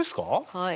はい。